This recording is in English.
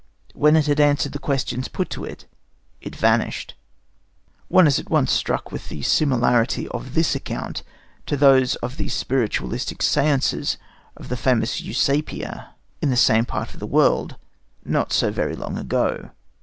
When it had answered the questions put to it, it vanished." One is at once struck with the similarity of this account to those of the spiritualistic séances of the famous Eusapia in the same part of the world, not so very long ago.